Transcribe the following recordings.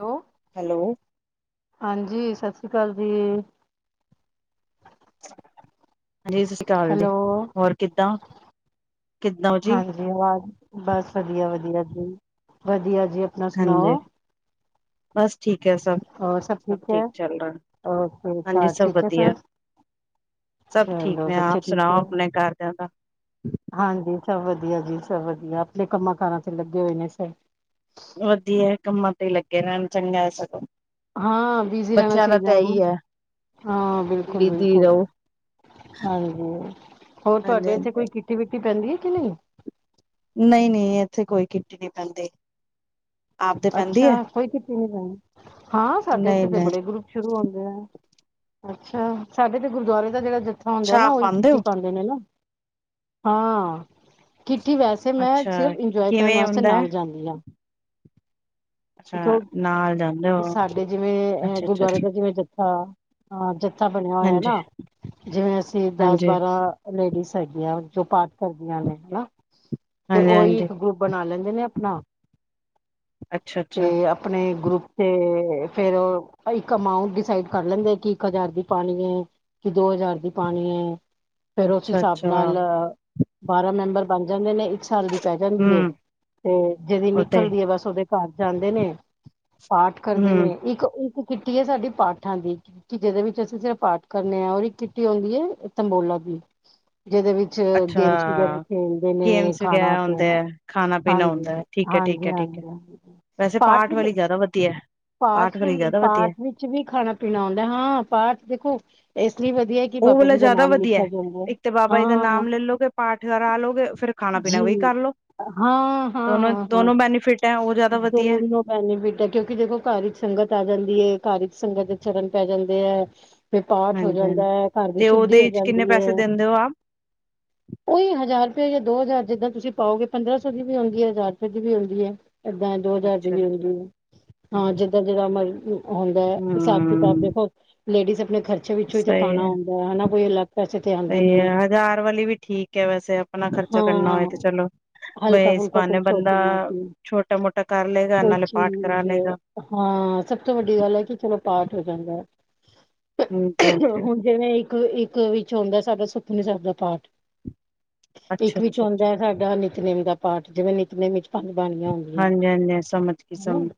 Hello? Hello. ਹਾਂਜੀ, ਸਤਿ ਸ੍ਰੀ ਅਕਾਲ ਜੀ। ਹਾਂਜੀ ਸਤਿ ਸ਼੍ਰੀ ਅਕਾਲ ਜੀ, ਹੈਲੋ ਹੋਰ ਕਿੱਦਾਂ? ਕਿੱਦਾਂ ਹੋ ਜੀ ਹਾਂਜੀ ਆਵਾਜ਼, ਬਸ ਵਧੀਆ-ਵਧੀਆ ਜੀ, ਵਧੀਆ। ਜੀ ਆਪਣਾ ਹਾਂਜੀ ਸੁਣਾਓ। ਬਸ ਠੀਕ। ਠੀਕ ਹੈ ਸਭ ਹੋਰ ਸਭ ਹੈ ਠੀਕ ਚੱਲ ਰਿਹਾ, ਓਕੇ ਹਾਂਜੀ ਘਰ ਸਭ ਠੀਕ ਹੈ ਵਧੀਆ। ਸਭ ਸਭ ਠੀਕ ਚਲੋ ਨੇ, ਬੱਚੇ ਆਪ ਠੀਕ ਸੁਣਾਓ ਹੈ ਆਪਣੇ ਘਰ ਦਿਆ ਦਾ? ਹਾਂਜੀ ਸਭ ਵਧੀਆ ਜੀ ਸਭ ਵਧੀਆ, ਆਪਣੇ ਕੰਮਾਂ ਕਾਰਾਂ ਚ ਲੱਗੇ ਹੋਏ ਨੇ ਸਭ। ਵਧੀਆ ਕੰਮਾਂ ਤੇ ਹੀ ਲੱਗੇ ਰਹਿਣ, ਚੰਗਾ ਹੈ ਸਗੋਂ। ਹਾਂ ਬੀਜੀ ਰਹਿਣਾ ਬੱਚਿਆਂ ਦਾ ਚਾਹੀਦਾ ਤਾਂ ਹੈ ਨਾ, ਇਹੀ ਹਾਂ ਬਿਜੀ ਬਿਲਕੁਲ-ਬਿਲਕੁਲ। ਰਹੋ ਹਾਂਜੀ, ਹੋਰ ਹਾਂਜੀ ਤੁਹਾਡੇ ਇੱਥੇ ਹਾਂਜੀ ਕੋਈ ਕਿੱਟੀ ਵਿਟੀ ਪੈਂਦੀ ਹੈ ਕੇ ਨਹੀਂ? ਨਹੀਂ-ਨਹੀਂ ਇੱਥੇ ਕੋਈ ਕਿੱਟ ਨਹੀਂ ਪੈਂਦੀ। ਆਪਦੇ ਪੈਂਦੀ ਅੱਛਾ ਹੈ ਕੋਈ ਕੀਟੀ ਨੀ ਪੈਣੀ। ਹਾਂ ਸਾਡੇ ਨਹੀਂ ਇੱਥੇ ਤਾਂ ਨਹੀਂ ਬੜੇ ਗਰੁੱਪ ਸ਼ੁਰੂ ਹੁੰਦੇ ਐ। ਅੱਛਾ ਸਾਡੇ ਤੇ ਗੁਰਦੁਆਰੇ ਦਾ ਜਿਹੜਾ ਜੱਥਾ ਹੁੰਦਾ ਅੱਛਾ ਐ, ਨਾ ਆਪ ਉਹੀ ਪਾਉਂਦੇ ਹੋ ਚਿੱਠੀ ਪਾਂਦੇ ਨੇ ਨਾ। ਹਾਂ, ਚਿੱਠੀ ਵੈਸੇ ਮੈਂ ਅੱਛਾ ਸਿਰਫ ਇੰਜੋਏ ਕਰਨ ਕਿਵੇਂ ਵਾਸਤੇ ਹੁੰਦਾ ਹੈ ਨਾਲ ਜਾਂਦੀ ਆ ਅੱਛਾ ਕੇਓ ਨਾਲ ਜਾਂਦੇ ਹੋ ਸਾਡੇ ਜਿਵੇਂ ਅ ਅੱਛਾ ਅੱਛਾ ਗੁਰਦੁਆਰੇ ਅੱਛਾ, ਦਾ ਜਿਵੇਂ ਜੱ ਹਾਂ-ਹਾਂ, ਜਥਾ ਬਣਿਆ ਹੋਇਆ ਹਾਂਜੀ ਨਾ ਜਿਵੇਂ ਅਸੀਂ ਦਸ ਹਾਂਜੀ ਬਾਰਾਂ ਲੇਡੀਜ਼ ਹੈਗੀ ਆ ਜੋ ਪਾਠ ਕਰਦੀਆਂ ਨੇ ਹਨਾ, ਤੇ ਹਾਂਜੀ ਉਹੀ ਹਾਂਜੀ ਇੱਕ ਗਰੁੱਪ ਬਣਾ ਲੈਂ ਦੇ ਨੇ ਆਪਣਾ, ਅੱਛਾ ਅੱਛਾ ਤੇ ਆਪਣੇ ਗਰੁੱਪ ਤੇ ਫੇਰ ਇੱਕ ਅਮਾਊਂਟ ਡਿਸਾਈਡ ਕਰ ਲੈਂਦੇ, ਕਿ ਇੱਕ ਹਜ਼ਾਰ ਦੀ ਪਾਣੀ ਐ। ਕਿ ਦੋ ਹਜ਼ਾਰ ਦੀ ਪਾਣੀ ਐ ਫੇਰ ਉਸ ਅੱਛਾ ਹਿਸਾਬ ਅੱਛਾ ਨਾਲ ਬਾਰਾਂ ਮੈਂਬਰ ਬਣ ਜਾਂਦੇ ਨੇ, ਇੱਕ ਸਾਲ ਦੀ ਪੈ ਜਾਂਦੀ ਏ ਹੂੰ, ਤੇ ਜਿਹਦੀ ਉਤੇ ਨਿਕਲਦੀ ਏ ਬਸ ਉਹਦੇ ਘਰ ਜਾਂਦੇ ਨੇ ਪਾਠ ਕਰਦੇ ਨੇ ਹੂੰ, ਇੱਕ ਉਕ ਕਿਟੀ ਏ ਸਾਡੀ ਪਾਠਾਂ ਦੀ ਕਿ ਜਿਹਦੇ ਵਿੱਚ ਅਸੀਂ ਸਿਰਫ ਪਾਠ ਕਰਨੇ ਆ, ਔਰ ਇਕ ਕਿੱਟੀ ਆਦੀ ਏ ਤਬੋਲਾ ਦੀ [inaudible] ਜਿਹਦੇ ਵਿੱਚ ਅੱਛਾ। ਗੇਮਸ ਵਗੈਰਾ ਖੇਲਦੇ ਨੇ ਗੇਮਸ ਖਾਣਾ ਵਗੈਰਾ ਹੁੰਦੇ ਪੀਣਾ, ਐ, ਖਾਣਾ ਪੀਣਾ ਹਾਂਜੀ ਹੁੰਦਾ ਹਾਂ ਐ, ਠੀਕ ਐ, ਠੀਕ ਐ, ਠੀਕ ਐ। ਹਾਂਜੀ-ਹਾਂਜੀ ਜੀ। ਵੈਸੇ ਪਾਠ ਵਾਲੀ ਜ਼ਿਆਦਾ ਵਧੀਆ ਐ। ਪਾਠ-ਪਾਠ ਵਿੱਚ ਵੀ ਖਾਣਾ ਪੀਣਾ ਆਦਾ ਐ ਹਾਂ ਪਾਠ ਦੇਖੋ ਇਸ ਲਈ ਵਧੀਆ ਕਿ ਉਹ ਬਾਬਾ ਵਾਲਾ ਜੀ ਦਾ ਜ਼ਿਆਦਾ ਨਾਮ ਵਧੀਆ ਐ ਲਿੱਤਾ ਜਾਂਦਾ ਇੱਕ ਤੇ ਬਾਬਾ ਦਾ ਹਾਂ ਨਾਮ ਲੈਲੋਗੇ ਪਾਠ ਕਰਾ ਲੋਗੇ ਫੇਰ ਖਾਣਾ ਪੀਣਾ ਵੀ ਜੀ ਕਰਲੋ। ਹਾਂ, ਹਾਂ, ਹਾਂ, ਹਾਂ ਦੋਨੋ-ਦੋਨੋ ਬੈਨੀਫਿਟ ਐ ਉਹ ਜ਼ਿਆਦਾ ਵਧੀਆ, ਦੋਨੋ ਬੈਨੀਫਿਟ ਐ ਕਿਉਂਕਿ ਦੇਖੋ ਕਰ ਇਕ ਸੰਗਤ ਆ ਜਾਂਦੀ, ਏ ਕਰ ਸੰਗਤ ਦੇ ਚਰਨ ਪੈ ਜਾਂਦੇ ਐ ਵੀ ਪਾਠ ਹੋ ਹਾਂਜੀ ਜਾਂਦਾ ਹਾਂਜੀ। ਐ, ਘਰ ਦੀ ਤੇ ਸ਼ੁੱਧੀ ਉਹਦੇ ਹੋ ਵਿੱਚ ਕਿੰਨੇ ਜਾਂਦੀ ਪੈਸੇ ਐ। ਦਿੰਦੇ ਹੋ ਆਪ? ਉਹੀ ਹਜ਼ਾਰ ਤੇ ਉਹੀ ਓ ਦੋ ਹਜ਼ਾਰ ਜਿੱਦਾਂ ਤੁਸੀਂ ਪਾਓਗੇ, ਪੰਦਰਾਂ ਸੌ ਦੀ ਵੀ ਆਉਂਦੀ ਐ ਹਜ਼ਾਰ ਰੁਪਏ ਦੀ ਵੀ ਆਉਂਦੀ ਐ। ਏਦਾਂ ਦੋ ਹਜ਼ਾਰ ਦੀ ਅੱਛਾ ਵੀ ਅੱਛਾ ਆਦੀ ਐ, ਹਾਂ ਅੱਛਾ, ਜਿੱਦਾਂ-ਜਿਦਾਂ ਮਰ ਹੁੰਦਾ ਹਿਸਾਬ ਕਿਤਾਬ ਹੂੰ। ਦੇਖੋ ਲੇਡੀਜ਼ ਆਪਣੇ ਖਰਚੇ ਵਿੱਚੋਂ ਈ ਤੇ ਪਾਉਣਾ ਹੁੰਦਾ, ਐ ਹਨਾ ਕੋਈ ਅਲੱਗ ਪੈਸੇ ਤੇ ਆਉਂਦੇ ਸਹੀ ਨੀ ਹੈ ਹਜ਼ਾਰ ਵਾਲੀ ਵੀ ਠੀਕ ਐ, ਵੈਸੇ ਆਪਣਾ ਖਰਚਾ ਕਰਨਾ ਹੋਏ ਤੇ ਚਲੋ ਮ ਹੁੜ ਕੋਈ ਛੋਟੀ ਮੋਟੀ ਕਰ ਲਏਗਾ ਕੋਈ ਨਾਲੇ ਪਾਠ ਕਰਾ ਚੀਜ਼ ਲਏਗਾ ਹਾਂ ਸਭ ਤੋਂ ਵੱਡੀ ਗੱਲ ਐ ਕਿ ਚਲੋ ਪ ਪਾਠ ਹੋ ਜਾਂਦਾ, ਹਾਂਜੀ ਹਾਂਜੀ ਹੁਣ ਜਿਵੇਂ ਇੱਕ-ਇੱਕ ਵਿੱਚ ਹੁੰਦਾ, ਸਾਡਾ ਸੁਖਮਨੀ ਸਾਬ ਦਾ ਪਾਠ ਇੱਕ ਅੱਛਾ ਵਿੱਚ ਅੱਛਾ ਅੱਛਾ ਆਉਂਦਾ ਐ, ਸਾਡਾ ਨਿਤਨੇਮ ਦਾ ਪਾਠ, ਜਿਵੇਂ ਨਿਤਨੇਮ ਵਿੱਚ ਪੰਜ ਬਣ ਣੀਆਂ ਹਾਂਜੀ ਹਾਂਜੀ ਸਮਝ ਗਈ ਹਨਾ ਸਮਝ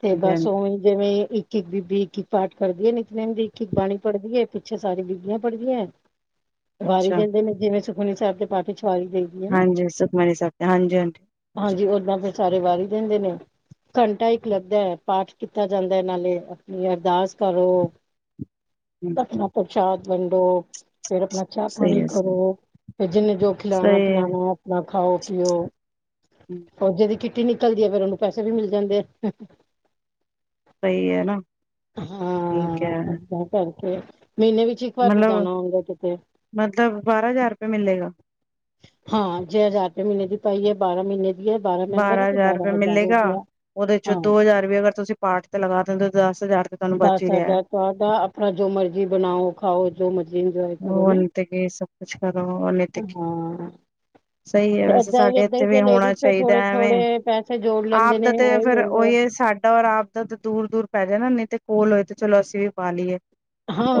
ਤੇ ਹਾਂਜੀ ਬਸ ਹਾਂਜੀ ਉਹੀ ਜਿਵੇਂ ਇੱਕ-ਇੱਕ ਬੀਬੀ ਇੱਕ ਇੱਕ ਪਾਠ [inaudible] ਕਰਦੀ ਐ ਨਿਤਨੇਮ ਦੀ ਇੱਕ-ਇੱਕ ਬਾਣੀ ਪੜ੍ਹਦੀ ਏ ਪਿੱਛੇ ਸਾਰੀ ਬੀਬੀਆਂ ਪੜ੍ਹਦੀਆਂ ਐ। ਵਾਰੀ ਅੱਛਾ ਦਿੰਦੇ ਨੇ, ਜਿਵੇਂ ਸੁਖਮਨੀ ਸਾਹਿਬ ਦੇ ਪਾਠ ਚ ਵਾਰੀ ਦੇ ਦੀ ਐ ਨਾ, ਹਾਂਜੀ ਸੁਖਮਨੀ ਸਾਹਿਬ ਤੇ ਹਾਂਜੀ ਹਾਂਜੀ ਹਾਂਜੀ ਓਦਾਂ ਫੇਰ ਸਾਰੇ ਵਾਰੀ ਦਿੰਦੇ ਨੇ। ਘੰਟਾ ਇੱਕ ਲੱਗਦਾ ਐ, ਪਾਠ ਕੀਤਾ ਜਾਂਦੈ ਨਾਲੇ, ਆਪਨੀ ਅਰਦਾਸ ਕਰੋ। ਹਮ ਆਪਣਾ ਪ੍ਰਸ਼ਾਦ ਵੰਡੋ, ਫਿਰ ਆਪਣਾ ਚਾਹ ਸਹੀ ਪਾਣੀ ਹੈ ਸਹੀ ਕਰੋ। ਫੇਰ ਜਿਹਨੇ ਜੋ ਖਿਲਾਣਾ ਸਹੀ ਹੈ ਪਿਲਾਣਾ, ਆਪਣਾ ਖਾਓ ਪੀਓ, ਉਹ ਜਦੀ ਟੀ ਨਿਕਲਦੀ ਐ ਫਿਰ ਉਹਨੂੰ ਪੈਸੇ ਵੀ ਮਿਲ ਜਾਂਦੇ ਐ। ਸਈ ਏ ਨਾ, ਠੀਕ ਐ। ਤੇ ਮਹੀਨੇ ਵਿੱਚ ਇੱਕ ਵਾਰ ਤੇ ਜਾਨਾ ਹੁੰਦਾ ਕਿਤੇ। ਮਤਲਬ ਬਾਰਾਂ ਹਜ਼ਾਰ ਰੁਪਏ ਮਿਲੇਗਾ ਹਾਂ, ਜੇ ਹਜ਼ਾਰ ਰੁਪਏ ਮਹੀਨੇ ਦੀ ਪਾਈ ਐ, ਬਾਰਾਂ ਮਹੀਨੇ ਵੀਓ ਬਾਰਾਂ ਮੈਂਬਰ ਐ ਤੇ ਬਾਰਾਂ ਹਜ਼ਾਰ ਹੋ ਗਿਆ। ਉਹਦੇ ਵਿੱਚੋਂ ਹਾਂ ਦੋ ਹਜ਼ਾਰ ਵੀ ਅਗਰ ਤੁਸੀਂ ਪਾਠ ਤੇ ਲਗਾ ਦਿੰਦੇ ਓ, ਦਸ ਹਜ਼ਾਰ ਰੁਪਏ ਤੁਹਾਨੂੰ ਬਚ ਈ ਰਿਹਾ। ਮਰਜ਼ੀ ਬਨਾਓ ਖਾਓ ਜੋ ਮਰ ਉਹਨੇ ਤੇ ਕੀ ਸਭ ਕੁਛ ਕਰੋ ਉਹਨੇ ਤੇ [inaudible] ਹਾਂ। ਸਹੀ ਹੈ ਤੇ ਵੈਸੇ ਏਦਾਂ ਈ ਸਾਡੇ ਏਦਾਂ ਈ ਇੱਥੇ ਦੇ ਵੀ ਹੋਣਾ ਲੇਡੀਜ਼ ਫੇਰ ਚਾਹੀਦਾ ਥੋੜੇ ਐਵੇਂ ਥੋੜੇ ਪੈਸੇ ਜੋੜ ਲੈਂਦੇ ਨੇ, ਇਹੀ ਈ ਸਾਡਾ ਔਰ ਆਪ ਦਾ ਤਾਂ ਦੂਰ-ਦੂਰ ਪੈ ਜਾਨਾ ਨਹੀਂ ਤੇ, ਕੋਲ ਹੋਏ ਤੇ ਚਲੋ ਅਸੀਂ ਵੀ ਪਾ ਲਈਏ।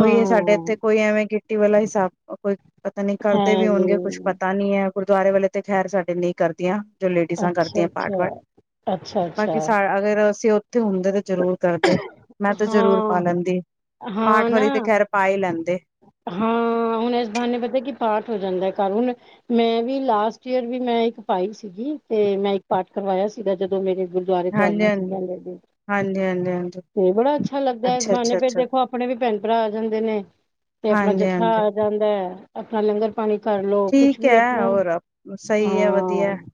ਓਈ ਸਾਡੇ ਇੱਥੇ ਕੋਈ ਐਵੇਂ ਕਿ ਰਟੀ ਵਾਲਾ ਹਿਸਾਬ ਕੋਈ ਪਤਾ ਨੀ ਹੈ ਕਰਦੇ ਵੀ ਨੀ, ਹੋਨਗੇ ਕੁੱਛ ਪਤਾ ਨੀ ਐ। ਗੁਰਦੁਆਰੇ ਵਾਲੇ ਤੇ ਖ਼ੈਰ, ਸਾਡੇ ਨਹੀਂ ਕਰਦੀਆਂ ਜੋ ਲੇਡੀਜ਼ਾਂ ਕਰਦੀਆਂ ਅੱਛਾ-ਅੱਛਾ, ਪਾਟ-ਵਾਟ, ਅੱਛਾ-ਅੱਛਾ, ਬਾਕੀ ਸਾ ਅਗਰ ਸਿ ਹੁੰਦੇ ਤੇ ਜ਼ਰੂਰ ਕਰਦੇ ਮੈਂ ਤਾਂ ਜ਼ਰੂਰ ਪਾ ਹਾਂ, ਲੈਂਦੀ, ਹਾਂ ਪਾਠ ਨਾ, ਵਾਰੀ ਤੇ ਖੈਰ ਪਾ ਹੀ ਲੈਂਦੇ। ਹਾਂ ਹ ਹੁਣ ਇਸ ਬਹਾਨੇ ਪਤਾ ਕਿ ਪਾਠ ਹੋ ਜਾਂਦੈ ਘਰ ਹੁਣ, ਮੈਂ ਵੀ ਲਾਸਟ ਈਅਰ ਵੀ ਮੈਂ ਇੱਕ ਪਾਈ ਸੀਗੀ। ਤੇ ਮੈਂ ਇੱਕ ਪਾਠ ਕਰਵਾਇਆ ਸੀਗਾ, ਜਦੋਂ ਮੇਰੇ ਗੁਰਦੁਆਰੇ ਤੋਂ ਹਾਂਜੀ ਆਈਆਂ ਹਾਂਜੀ ਸੀਗੀਆਂ ਬੀਬੀਆਂ। ਹਾਂਜੀ ਹਾਂਜੀ ਹਾਂਜੀ ਤੇ ਬੜਾ ਅੱਛਾ ਲੱਗਦੈ, ਇਸ ਅੱਛਾ ਬਹਾਨੇ ਅੱਛਾ ਤੇ ਅੱਛਾ ਦੇਖੋ ਆਪਣੇ ਵੀ ਭੈਨ ਭਰਾ ਆ ਜਾਂਦੇ ਨੇ। ਤੇ ਆਪਣਾ ਹਾਂਜੀ ਜੱਥਾ ਆ ਹਾਂਜੀ ਜਾਂਦੈ, ਆਪਣਾ ਲੰਗਰ ਪਾਣੀ ਕਰ ਲਓ ਕੁਛ ਠੀਕ ਵੀ ਐ ਆਪਣਾ ਓਰ, ਸਹੀ ਐ ਵਧੀਆ। ਹਾਂ,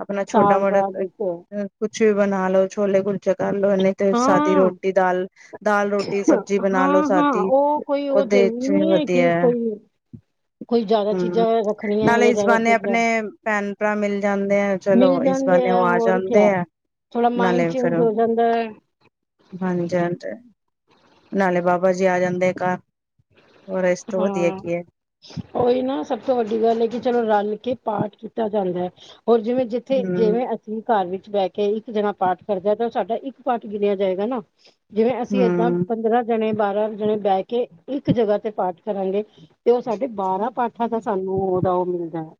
ਆਪਨਾ ਸਾਲ ਛੋਟਾ-ਮੋਟਾ ਬਾਅਦ ਇੱਕ ਕੁਛ ਵੀ ਬਨਾ ਲੋ, ਛੋਲੇ ਕੁਲੇ ਕਰ ਲਓ ਨਹੀਂ ਤੇ, ਸਾਦੀ ਹਾਂ ਰੋਟੀ ਦਾਲ ਦਾਲ ਰੋਟੀ ਸਬਜ਼ੀ ਬਨਾ ਹਾਂ ਲੋੋ ਹਾਂ ਸਾਦੀ, ਉਹ ਕੋਈ ਉਹ ਓਦੇ ਜ਼ਰੂਰੀ ਚ ਨਹੀਂ ਹੈ ਵਧੀਆ ਕਿ ਐ। [unintelligible] ਹਮ, ਚੀਜ਼ਾਂ ਰੱਖਣੀਆਂ ਨਾਲੇ ਜਾਂ ਇਸ ਜ਼ਿਆਦਾ ਬਹਾਨੇ ਚੀਜ਼ਾਂ ਆਪਨੇ ਭੈਨ ਭਰਾ ਮਿਲ ਜਾਂਦੇ ਆ, ਮਿਲ ਚਲੋ ਇਸ ਜਾਂਦੇ ਬਾਨੇ ਉਹ ਆ ਹੋਰ ਜਾਂਦੇ ਕਿਆ ਐ। ਥੋੜਾ ਮਾਈੰਡ ਚੇਂਜ ਹੋ ਜਾਂਦੈ। ਹਾਂਜੀ ਹਾਂਜੀ, ਨਾਲੇ ਬਾਬਾ ਜੀ ਆ ਜਾਂਦੇ ਘ ਹੋਰ ਇਸ ਤੋਂ ਵਧੀਆ ਹਾਂ ਕੀ ਐ? ਉਹੀ ਨਾ ਸਭ ਤੋਂ ਵੱਡੀ ਗੱਲ ਏ, ਕਿ ਚਲੋ ਰਲ ਕੇ ਪਾਠ ਕੀਤਾ ਜਾਂਦਾ ਐ। ਹੋਰ ਜਿਵੇਂ ਜਿੱਥੇ ਹਮ ਜਿਵੇਂ ਅਸੀਂ ਘਰ ਵਿੱਚ ਬਹਿ ਕੇ ਇੱਕ ਜਣਾ ਪਾਠ ਕਰਦਾ ਤੇ, ਉਹ ਸਾਡਾ ਇੱਕ ਪਾਠ ਗਿਣਿਆ ਜਾਏਗਾ ਨਾ ਜਿਵੇਂ ਅਸੀਂ ਏਦਾਂ ਹਮ ਪੰਦਰਾਂ ਜਣੇ, ਬਾਰਾਂ ਜਣੇ ਬਹਿ ਕੇ, ਇੱਕ ਜਗ੍ਹਾ ਪਾਠ ਕਰਾਂਗੇ, ਤੇ ਉਹ ਸਾਡੇ ਬਾਰਾਂ ਪਾਠਾਂ ਦਾ ਸਾਨੂੰ ਉਹਦਾ ਉਹ ਮਿਲ ਜਾਣਾ।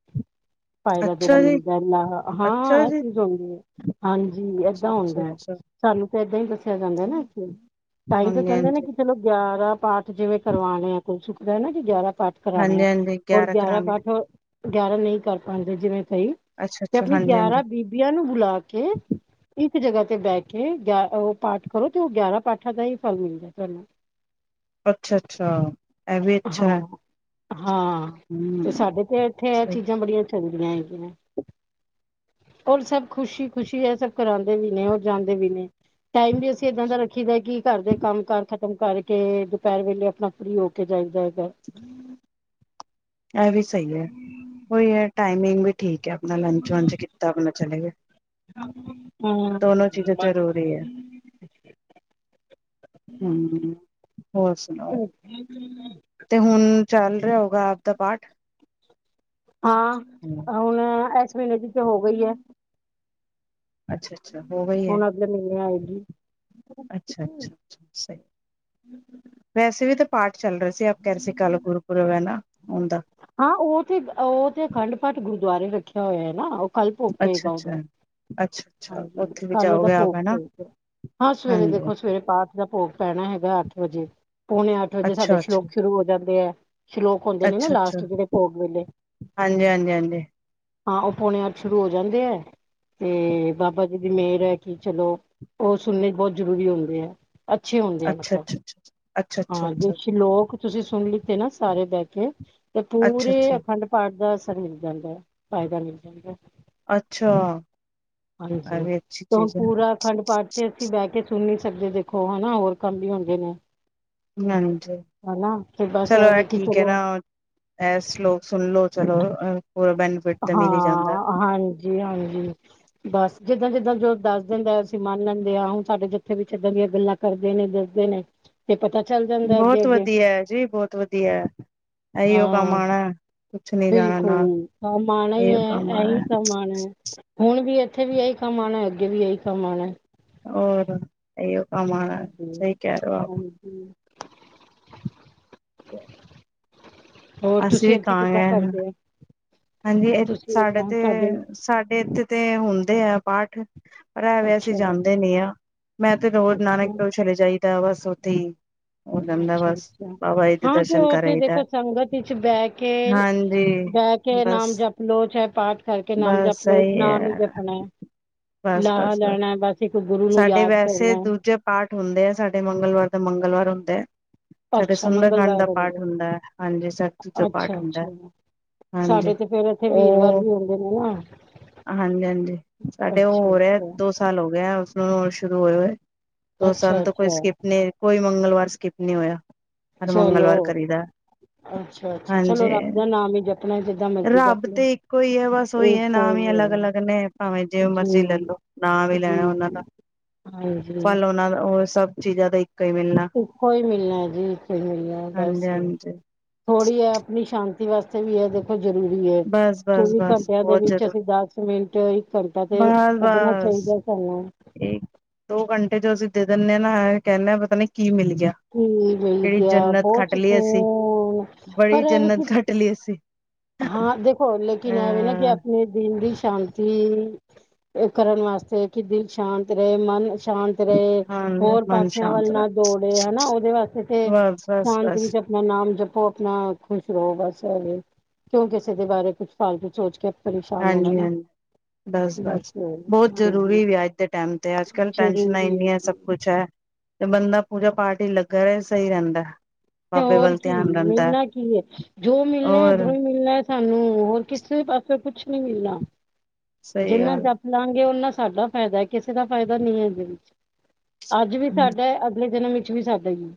ਫਾਇਦਾ ਜਿਹੜਾ ਅੱਛਾ ਜੀ ਮਿਲਦਾ, ਅੱਛਾ ਹਾਂ ਇਹ ਜੀ ਚੀਜ਼ ਹੁੰਦੀ ਹੈ। ਹਾਂਜੀ ਏਦਾਂ ਅੱਛਾ ਅੱਛਾ ਹੁੰਦਾ ਐ, ਅੱਛਾ ਸਾਨੂੰ ਏਦਾਂ ਹੀ ਦੱਸਿਆ ਜਾਂਦਾ ਨਾ ਕਿ, ਤਾਂ ਹੀ ਤੇ ਹਾਂਜੀ ਕਹਿੰਦੇ ਨੇ ਹਾਂਜੀ ਕਿ ਗਿਆਰਾਂ ਪਾਠ ਜਿਵੇਂ ਕਰਵਾਣੇ ਆ। ਸੁੁਖਦਾ ਨਾ ਕਿ ਗਿਆਰਾਂ ਪਾਠ ਕਰਾਣੇ ਹਾਂਜੀ ਐ, ਹਾਂਜੀ ਹੋਰ ਗਿਆਰਾਂ ਕਰਾਣੇ ਪਾਠ ਗਿਆਰਾਂ ਨਹੀਂ ਕਰ ਪਾਉਂਦੇ ਜਿਵੇਂ ਅੱਛਾ ਤੇ ਅੱਛਾ ਆਪਣੀ ਹਾਂਜੀ ਹਾਂਜੀ ਗਿਆਰਾਂ ਬੀਬੀਆਂ ਨੂੰ ਬੁਲਾ ਕੇ। ਇੱਕ ਜਗ੍ਹਾ ਤੇ ਬਹਿ ਕੇ ਉਹ ਪਾਠ ਕਰੋ ਤੇ ਉਹ ਗਿਆਰਾਂ ਪਾਠਾਂ ਦਾ ਹੀ ਫਲ ਮਿਲਦਾ ਤੁਹਾਨੂੰ। ਅੱਛਾ ਅੱਛਾ ਇਹ ਵੀ ਅੱਛਾ ਹੈ। ਹਾਂ ਹਾਂ ਤੇ ਹੂੰ ਸਾਡੇ ਤੇ ਇੱਥੇ ਇਹ ਸਹੀ ਚੀਜ਼ਾਂ ਬੜੀਆਂ ਚੱਲਦੀਆਂ ਹੈਗੀਆਂ। ਹੋਰ ਸਭ ਖੁਸ਼ੀ ਖੁਸ਼ੀ ਇਹ ਸਭ ਕਰਾਉਂਦੇ ਵੀ ਨੇ ਹੋਰ ਜਾਂਦੇ ਵੀ ਨੇ। ਟਾਈਮ ਵੀ ਅਸੀਂ ਏਦਾਂ ਦਾ ਰੱਖੀ ਦਾ ਕਿ ਘਰ ਦੇ ਕੰਮ ਕਾਰ ਖ਼ਤਮ ਕਰਕੇ ਦੁਪਹਿਰ ਵੇਲੇ ਆਪਣਾ ਫਰੀ। ਜਾਈਦਾ ਹੈਗਾ। ਇਹ ਵੀ ਸਹੀ ਹੈ ਉਹੀ ਹੈ ਟਾਈਮਿੰਗ ਵੀ। ਠੀਕ ਹੈ ਆਪਣਾ ਲੰਚ ਵੰਚ ਕੀਤਾ ਆਪਣਾ ਚਲੇ ਗਏ। ਦੋਨੋ ਚੀਜ਼ਾਂ ਜ਼ਰੂਰੀ ਹਮ ਹਮ ਹੋਰ ਸੁਣਾਓ ਤੇ ਹੁਣ। ਚੱਲ ਰਿਹਾ ਹੋਗਾ ਆਪ ਦਾ ਪਾਠ। ਹਾਂ ਹੁਣ ਇਸ ਮਹੀਨੇ ਦੀ ਤੇ ਹੋ ਗਈ ਹੈ। ਅੱਛਾ ਅੱਛਾ ਹੋ ਗਈ ਹੈ। ਹੁਣ ਅਗਲੇ ਮਹੀਨੇ ਆਏਗੀ ਅੱਛਾ ਅੱਛਾ ਅੱਛਾ ਵੈਸੇ ਵੀ ਤਾਂ। ਪਾਠ ਚੱਲ ਰਹੇ ਸੀ ਆਪ ਕਹਿ ਰਹੇ ਸੀ ਕੱਲ ਗੁਰਪੁਰਬ ਹੈ ਨਾ ਓਂਦਾ। ਹਾਂ ਉਹ ਤੇ ਉਹ ਤੇ ਅਖੰਡ ਪਾਠ ਗੁਰਦੁਆਰੇ ਰੱਖਿਆ ਹੋਇਆ ਹੈ ਨਾ। ਕੱਲ ਭੋਗ ਪਏਗਾ ਉਹਦਾ। ਅੱਛਾ-ਅੱਛਾ ਅੱਛਾ-ਅੱਛਾ ਹਾਂਜੀ ਉੱਥੇ ਵੀ ਕੱਲ ਉਹਦਾ ਜਾਓਗੇ ਆਪ ਭੋਗ ਹਨਾ ਪਏਗਾ ਹਾਂ ਸਵੇਰੇ ਹਾਂਜੀ ਦੇਖੋ ਸਵੇਰੇ ਪਾ। ਦਾ ਭੋਗ ਪੈਣਾ ਹੈਗਾ ਅੱਠ ਵਜੇ ਪੋਣੇ ਅੱਠ ਵਜੇ ਸਾਡੇ ਅੱਛਾ-ਅੱਛਾ ਸ਼ਲੋਕ ਸ਼ੁਰੂ ਹੋ ਜਾਂਦੇ ਹੈ। ਸ਼ਲੋਕ ਹੁੰਦੇ ਨੇ ਨਾ ਅੱਛਾ-ਅੱਛਾ ਲਾਸਟ ਜਿਹੜੇ ਭੋਗ ਵੇਲੇ। ਹਾਂਜੀ-ਹਾਂਜੀ-ਹਾਂਜੀ ਹਾਂ ਉਹ ਪੋਣੇ ਅੱਠ ਸ਼ੁਰੂ ਹੋ ਜਾਂਦੇ ਹੈ ਤੇ। ਬਾਬਾ ਜੀ ਦੀ ਮੇਹਰ ਹੈ ਕਿ ਚਲੋ ਉਹ ਸੁਣਨੇ ਬਹੁਤ ਜ਼ਰੂਰੀ ਹੁੰਦੇ ਹੈ। ਅੱਛੇ ਹੁੰਦੇ ਆ ਮਤਲਬ ਅੱਛਾ-ਅੱਛਾ-ਅੱਛਾ ਹਾਂ ਤੇ ਅੱਛਾ-ਅੱਛਾ-ਅੱਛਾ ਅਸੀਂ ਲੋਕ। ਤੁਸੀਂ ਸੁਣ ਲਿੱਤੇ ਨਾ ਸਾਰੇ ਬਹਿ ਕੇ ਤੇ ਪੂਰੇ ਅੱਛਾ-ਅੱਛਾ, ਅਖੰਡ ਪਾਠ ਦਾ। ਮਿਲ ਜਾਂਦਾ ਫਾਇਦਾ ਮਿਲ ਜਾਂਦਾ ਹੈ। ਅੱਛਾ। ਹਾਂਜੀ ਐ ਵੀ ਅੱਛੀ ਤੇ ਹੁਣ ਚੀਜ਼ ਐ, ਪੂਰਾ ਅਖੰਡ ਪਾਠ ਤੇ ਅਸੀਂ ਬਹਿ ਕੇ ਸੁਣ ਨਹੀਂ। ਸਕਦੇ ਦੇਖੋ ਹਨਾ। ਹੋਰ ਕੰਮ ਵੀ ਹੁੰਦੇ ਨੇ। ਹਾਂਜੀ ਹਨਾ ਤੇ ਬਸ ਚਲੋ ਇਹ ਐਵੇ ਕਿ ਠੀਕ ਹੈ ਚਲੋ ਨਾ ਐ ਸਲੋਕ ਸੁਣਲੋ। ਚਲੋ ਅਹ। ਹਾਂ ਹਾਂਜੀ ਹਾਂਜੀ ਬਸ। ਜਿੱਦਾਂ ਜਿੱਦਾਂ ਜੋ ਦੱਸ ਦਿੰਦਾ ਅਸੀਂ ਮੰਨ ਲੈਂਦੇ ਹਾਂ ਹੁਣ ਸਾਡੇ ਜਿੱਥੇ ਵੀ ਇੱਦਾਂ ਦੀਆਂ ਗੱਲਾਂ ਕਰਦੇ ਨੇ ਦੱਸਦੇ ਨੇ ਤੇ। ਪਤਾ ਚੱਲ ਜਾਂਦਾ ਅੱਗੇ ਬਹੁਤ ਅੱਗੇ ਵਧੀਆ ਜੀ ਬਹੁਤ ਵਧੀਆ ਹੈ। ਇਹੀ ਉਹ ਕੰਮ ਹਾਂ ਆਉਣਾ ਕੁਛ ਨੀ ਜਾਣਾ ਨਾਲ। ਕਮਾਉਣਾ ਹੀ ਏਈਓ ਕੰਮ ਹੈ ਆਣਾ ਇਹੀ ਕਮਾਉਣਾ ਹੁਣ। ਹੁਣ ਵੀ ਇੱਥੇ ਵੀ ਇਹੀ ਕੰਮ ਆਉਣਾ ਅੱਗੇ ਵੀ ਇਹੀ ਕੰਮ ਆਉਣਾ ਹੈ। ਹੋਰ ਇਹੀਕੰਮ ਆਉਣਾ ਸਹੀ ਹਾਂਜੀ ਕਹਿ ਰਹੇ ਹੋ। ਹਾਂਜੀ [unintelligible] ਹੋਰ ਅਸੀਂ ਤੁਸੀਂ ਵੀ ਇੱਥੇ ਕਿੱਦਾਂ ਕਹਾਂਗੇ ਕਰਦੇ। ਹਾਂਜੀ ਤੁਸੀਂ ਸਾਡੇ ਏਦਾਂ ਤੇ ਤੁਹਾਡੇ ਸਾਡੇ ਇੱਥੇ ਤੇ ਹੁੰਦੇ ਆ ਪਾਠ। ਪਰ ਐਵੇਂ ਅਸੀਂ ਅੱਛਾ ਜਾਂਦੇ ਨਹੀਂ ਹਾ। ਮੈਂ ਤੇ ਰੋਜ਼ ਅੱਛਾ ਨਾਨਕੇ ਘਰ ਚਲੇ ਜਾਈਦਾ ਬਸ ਉੱਥੇ ਹੀ। ਅੱਛਾ ਅੱਛਾ ਹਾਂ ਤੇ ਦਰਸ਼ਨ ਕਰ ਉਥੇ ਆਈ ਦਾ ਦੇਖੋ ਸੰਗਤ ਵਿੱਚ ਬੈਠ ਕੇ। ਹਾਂਜੀ ਬੈਠ ਕੇ ਬਸ ਨਾਮ ਜਪ ਲਓ, ਚਾਹੇ ਪਾਠ ਕਰਕੇ ਨਾਮ ਬਸ ਜਪ ਲੋ, ਸਹੀ ਨਾਮ ਹੀ ਹੈ ਜਪਣਾ ਹੈ। ਬਸ ਲਾਹਾ ਬਸ ਬਸ ਲੈਣਾ ਹੈ, ਇੱਕ ਗੁਰੂ ਨੂੰ ਸਾਡੇ ਯਾਦ ਵੈਸੇ ਕਰਨਾ ਹੈ ਦੂਜੇ ਪਾਠ ਹੁੰਦੇ ਆ ਸਾਡੇ ਮੰਗਲਵਾਰ ਦਾ ਮੰਗਲਵਾਰ। ਹੁੰਦਾ ਹੈ। ਸਾਡੇ ਅੱਛਾ ਸੁੰਦਰਕਾਂਡ ਮੰਗਲਵਾਰ ਦਾ ਹੁੰਦੇ ਪਾਠ ਹੁੰਦਾ ਹੈ ਹਾਂਜੀ ਸ਼ਗਤ ਆ। ਜੋੋਂ ਪਾਠ ਅੱਛਾ ਹੁੰਦਾ ਅੱਛਾ ਹੈ। ਸਾਡੇ ਤੇ ਫੇਰ ਇੱਥੇ ਵੀਰਵਾਰ ਵੀ ਹੁੰਦੇ ਨੇ ਨਾ। ਹਾਂਜੀ-ਹਾਂਜੀ ਸਾਡੇ ਉਹ ਅੱਛਾ ਹੋਰ ਰਿਹਾ ਹੈ, ਅੱਛਾ ਦੋ ਸਾਲ ਹੋ ਗਿਆ। ਉਸ ਨੂੰ ਸ਼ੁਰੂ ਹੋਏ ਹੋਏ, ਦੋ ਸਾਲ ਅੱਛਾ ਤੋਂ ਕੋਈ ਅੱਛਾ ਸਕਿਪ ਨਹੀਂ ਕੋਈ ਮੰਗਲਵਾਰ ਸਕਿਪ ਨਹੀਂ ਹੋਇਆ। ਹਰ ਚਲੋ ਮੰਗਲਵਾਰ ਕਰੀਦਾ ਅੱਛਾ-ਅੱਛਾ ਚਲੋ ਹਾਂਜੀ ਰੱਬ ਦਾ ਨਾਮ ਹੀ ਜਪਣਾ ਤੇ। ਰੱਬ ਤੇ ਇੱਕੋ ਹੀ ਹੈ ਬਸ ਉਹੀ ਹੈ ਨਾਮ ਹੀ ਕੋਈ ਹੈ ਅਲੱਗ-ਅਲੱਗ ਨੇ ਭਾਵੇਂ ਜਿਵੇਂ ਜੀ ਮਰਜੀ ਲੈਲੋ। ਨਾ ਹੀ ਜੀ ਲੈਣਾ ਹੁੰਦਾ ਜੀ, ਨਾ। ਹਾਂਜੀ। ਬਸ ਸਭ ਚੀਜ਼ਾਂ ਦਾ। ਹੀ ਮਿਲਣਾ ਇੱਕੋ ਹੀ ਮਿਲਣਾ ਜੀ ਇੱਕੋ ਹੀ ਮਿਲਣਾ ਹਾਂਜੀ ਬਸ ਹੀ ਹਾਂਜੀ ਥੋੜ੍ਹੀ ਹੈ, ਆਪਣੀ ਸ਼ਾਂਤੀ। ਵਾਸਤੇ ਵੀ ਇਹ ਦੇਖੋ ਜਰੂਰੀ ਹੈ, ਬਸ ਬਸ ਚੌਵੀ ਬਸ ਘੰਟਿਆਂ ਦੇ ਵਿੱਚ ਅਸੀਂ ਦਸ ਮਿੰਟ। ਘੰਟਾ ਤੇ ਕੱਢਣਾ ਬਸ-ਬਸ ਚਾਹੀਦਾ ਸਾਨੂੰ। ਇੱਕ ਦੋ ਘੰਟੇ ਜੋ ਅਸੀਂ ਦੇ। ਦਿੰਨੇ ਆ ਨਾ ਕਹਿੰਦੇ ਪਤਾ ਨਹੀ ਕੀ ਮਿਲ। ਗਿਆ ਹੂੰ-ਹੂੰ, ਮਿਲ ਕਿਹੜੀ ਗਿਆ ਜੰਨਤ ਬਹੁਤ ਖੱਟ ਲਈ ਅਸੀਂ ਸਕੂਨ ਪਰ ਬੜੀ ਐਵੇਂ ਕਿ। ਜੰਨਤ ਖੱਟ ਲਈ ਅਸੀਂ ਹਾਂ ਦੇਖੋ ਲੇਕਿਨ ਇਹਵੇਂ ਨਾ ਕਿ, ਅਹ ਆਪਣੇ ਦਿਲ ਦੀ ਸ਼ਾਂਤੀ। ਕਰਨ ਵਾਸਤੇ ਕਿ ਦਿਲ ਸ਼ਾਂਤ ਰਹੇ ਮਨ। ਸ਼ਾਂਤ ਰਹੇ ਹਾਂ ਹੋਰ ਮਨ ਪਾਸਿਆਂ ਸ਼ਾਂਤ ਵੱਲ ਰਹਿ, ਨਾ ਦੌੜੇ ਹਨਾ ਉਹਦੇ ਵਾਸਤੇ ਤੇ। ਬਸ ਬਸ ਸ਼ਾਂਤ ਬਸ ਵਿੱਚ ਆਪਣਾ ਨਾਮ ਜਪੋ। ਉਹ ਆਪਣਾ ਖੁਸ਼ ਰਹੋਗਾ, ਬਸ ਇਹ ਕਿਉਂ ਕਿਸੇ ਦੇ ਬਾਰੇ ਕੁਛ ਫਾਲਤੂ ਸੋਚ ਕੇ। ਪਰੇਸ਼ਾਨ ਹੋਣਾ ਹਾਂਜੀ ਨਾ। ਹਾਂਜੀ ਬਸ ਬਸ ਬਹੁਤ ਹਾਂਜੀ ਜ਼ਰੂਰੀ ਵੀ ਅੱਜ ਦੇ ਟੈਮ ਤੇ ਅੱਜ-ਕੱਲ੍ਹ ਟੈਂਸ਼ਨਾਂ ਜ਼ਰੂਰੀ ਹੈ ਇੰਨੀਆਂ ਸਭ ਜੀ ਕੁੱਛ ਹੈ। ਤੇ ਬੰਦਾ ਪੂਜਾ ਪਾਠ ਵਿਚ ਲੱਗਾ ਰਹੇ ਸਹੀ ਰਹਿੰਦਾ। ਬਾਬੇ ਹੋਰ ਵੱਲ ਕੀ ਧਿਆਨ ਰਹਿੰਦਾ ਮਿਲਣਾ ਕੀ ਹੈ, ਜੋ ਮਿਲਣਾ ਹੋਰ ਉੱਧਰੋਂ ਹੀ ਮਿਲਣਾ ਹੈ ਸਾਨੂੰ ਹੋਰ ਕਿਥ ਕਿਸੇ ਪਾਸੇ ਕੁਛ ਨੀ ਮਿਲਣਾ ਸਹੀ ਜਿੰਨਾ ਗੱਲ ਜਪ ਲਾਂਗੇ ਉਹਨਾਂ ਸਾਡਾ ਫਾਇਦਾ ਹੈ, ਕਿਸੇ ਦਾ ਫਾਇਦਾ ਨਹੀਂ ਹੈ ਇਹਦੇ ਵਿੱਚ ਅੱਜ ਵੀ ਸਾਡਾ ਅਗਲੇ ਜਨਮ ਵਿੱਚ ਵੀ ਸਾਡਾ ਹੋ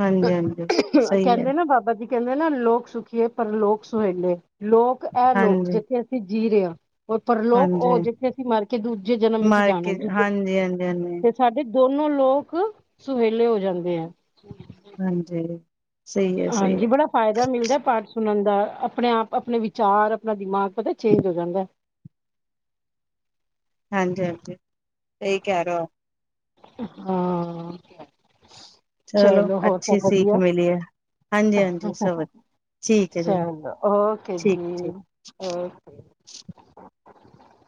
ਹਾਂਜੀ ਹਾਂਜੀ ਸਹੀ ਹੈ ਕਹਿੰਦੇ ਨਾ ਬਾਬਾ ਜਾ। ਕਹਿੰਦੇ ਨਾ ਲੋਕ ਸੁਖੀਏ ਪਰ ਲੋਕ ਸੁਹੇਲੇ ਲੋਕ ਇਹ ਲੋਕ ਹਾਂਜੀ ਜਿੱਥੇ ਅਸੀਂ ਜੀ ਰਹੇ ਹਾਂ। ਪਰਲੋਕ ਉਹ ਹਾਂਜੀ ਜਿੱਥੇ ਅਸੀਂ ਮਰ ਕੇ ਦੂਜੇ ਜਨਮ ਵਿੱਚ ਜਾਣਾ ਮਾਰਕੀਟ ਦੂਜੇ, ਹਾਂਜੀ ਹਾਂਜੀ ਹਾਂਜੀ ਤੇ ਸਾਡੇ ਦੋਨੋ ਲੋਕ ਸੁਹੇਲੇ ਹੋ ਜਾਂਦੇ ਐ। ਹਾਂਜੀ, ਸਹੀ ਹੈ ਸਹੀ ਹਾਂਜੀ, ਹੈ ਬੜਾ ਫ਼ਾਇਦਾ ਮਿਲਦਾ ਪਾਠ ਸੁਣਨ ਦਾ ਦਾ ਆਪਣੇ ਆਪ ਆਪਣੇ ਵਿਚਾਰ ਆਪਣਾ ਦਿਮਾਗ ਪਤਾ ਚੇਂਜ ਹੋ ਜਾਂਦਾ। [unintelligible] ਹਾਂਜੀ-ਹਾਂਜੀ, ਸਹੀ ਕਹਿ ਰੋ ਆਪ? ਹਾਂ, ਚਲੋ ਹੋਰ ਅੱਛੀ ਸਭ ਸੀਖ ਵਧੀਆ ਮਿਲੀ ਹੈ, ਹਾਂਜੀ-ਹਾਂਜੀ ਸਭ ਵਧੀਆ। ਚਲੋ ਓਕੇ ਜੀ ਠੀਕ ਓਕੇ,